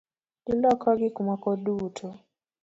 Iloko gikmoko duto?